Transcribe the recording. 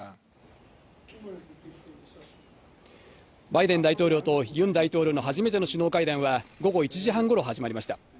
バイデン大統領とユン大統領の初めての首脳会談は、午後１時半ごろ始まりました。